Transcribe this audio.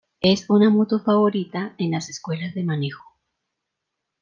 Es una moto favorita en las escuelas de manejo.